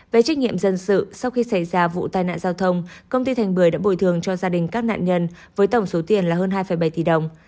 về trách nhiệm dân sự sau khi xảy ra vụ tai nạn giao thông công ty thành bưởi đã bồi thường cho gia đình các nạn nhân với tổng số tiền là hơn hai bảy tỷ đồng